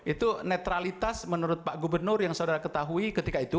itu netralitas menurut pak gubernur yang saudara ketahui ketika itu